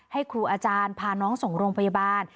ให้ครูอาจารย์พาน้องส่งโรงพยาบาล